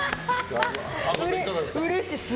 うれしい！